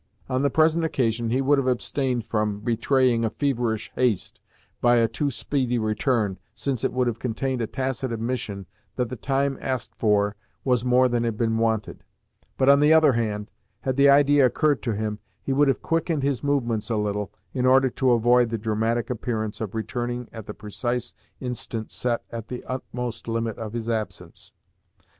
On the present occasion, he would have abstained from betraying a feverish haste by a too speedy return, since it would have contained a tacit admission that the time asked for was more than had been wanted; but, on the other hand, had the idea occurred to him, he would have quickened his movements a little, in order to avoid the dramatic appearance of returning at the precise instant set as the utmost limit of his absence.